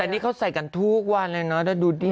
แต่นี่เขาใส่กันทุกวันน่ะดูดี